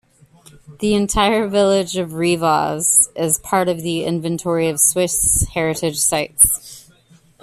The entire village of Rivaz is part of the Inventory of Swiss Heritage Sites.